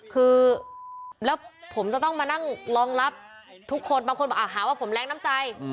คือแล้วผมจะต้องมานั่งรองรับทุกคนบางคนบอกหาว่าผมแรงน้ำใจ